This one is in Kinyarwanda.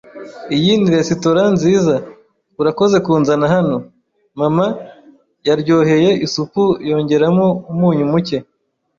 Iyi ni resitora nziza. Urakoze kunzana hano. Mama yaryoheye isupu yongeramo umunyu muke.